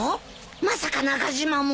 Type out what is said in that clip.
まさか中島も？